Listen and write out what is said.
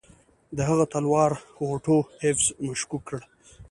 د هغه تلوار اوټو ایفز مشکوک کړ.